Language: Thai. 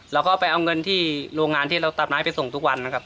เราก็เอาเงินที่โรงงานที่เราตับน้อยไปส่งทุกวัน